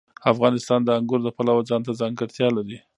افغانستان د انګور د پلوه ځانته ځانګړتیا لري.